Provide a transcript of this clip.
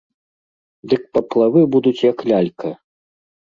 Дык паплавы будуць, як лялька!